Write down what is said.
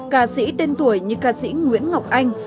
ca sĩ tên tuổi như ca sĩ nguyễn ngọc anh